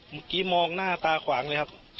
เมื่อกี้มองหน้าตาขวางเลยครับ